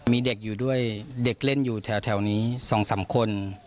มีเด็กอยู่ด้วยเด็กเล่นอยู่แถวนี้๒๓คน